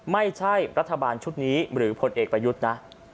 ไม่ใช่รัฐบาลชุดนี้หรือพลเอกประยุทธ์นะ